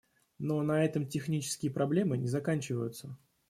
Но на этом технические проблемы не заканчиваются.